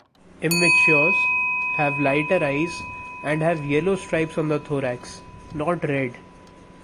Immatures have lighter eyes and have yellow stripes on the thorax, not red.